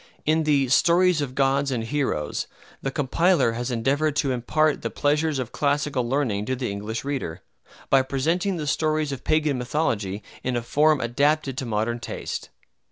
In the "Stories of Gods and Heroes" the compiler has endeavored to impart the pleasures of classical learning to the English reader, by presenting the stories of Pagan mythology in a form adapted to modern taste.